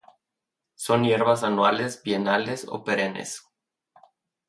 Son hierbas anuales, bienales o perennes.